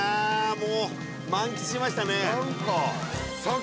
もう満喫しましたね